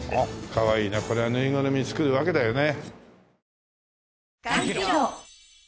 かわいいな。こりゃぬいぐるみ作るわけだよね。